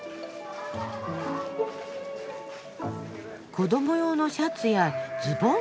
子ども用のシャツやズボン？